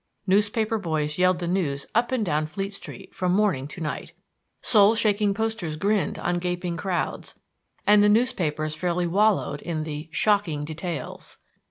Newspaper boys yelled the news up and down Fleet Street from morning to night; soul shaking posters grinned on gaping crowds; and the newspapers fairly wallowed in the "Shocking details."